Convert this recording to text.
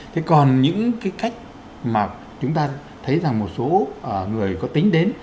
thế còn những cái cách mà chúng ta thấy rằng một số người có tính đến